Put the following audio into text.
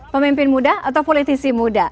pemimpin muda atau politisi muda